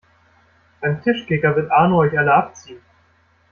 Beim Tischkicker wird Arno euch alle abziehen!